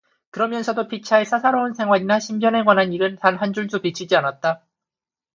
그러면서도 피차에 사사로운 생활이나 신변에 관한 일은 단 한 줄도 비치지 않았다.